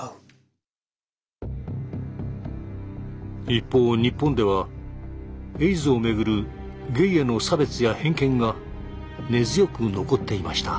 一方日本ではエイズをめぐるゲイへの差別や偏見が根強く残っていました。